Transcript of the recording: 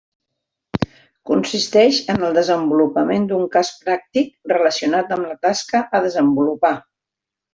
Consisteix en el desenvolupament d'un cas pràctic relacionat amb la tasca a desenvolupar.